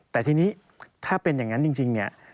แต่ทีนี้ถ้าเป็นอย่างนั้นจริงเนี่ย